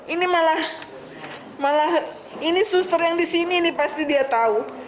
ini malah ini suster yang di sini ini pasti dia tahu